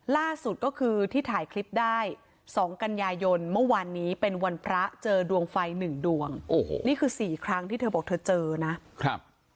ล่าสุดก็คือที่ถ่ายคลิปได้สองกันยายนเมื่อวานนี้เป็นวันพระเจอดวงไฟหนึ่งดวงโอ้โหนี่คือสี่ครั้งที่เธอบอกเธอเจอนะครับ